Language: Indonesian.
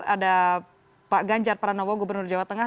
ada pak ganjar pranowo gubernur jawa tengah